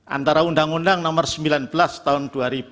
antara undang undang no sembilan belas tahun dua ribu dua puluh tiga